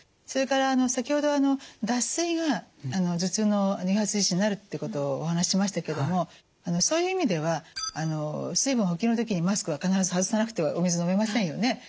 それから先ほど脱水が頭痛の誘発因子になるっていうことをお話ししましたけどもそういう意味では水分補給の時にマスクは必ず外さなくてはお水飲めませんよね？